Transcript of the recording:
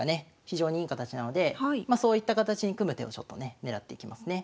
非常にいい形なのでそういった形に組む手をちょっとね狙っていきますね。